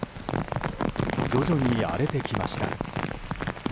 徐々に荒れてきました。